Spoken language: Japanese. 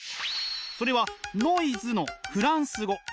それはノイズのフランス語。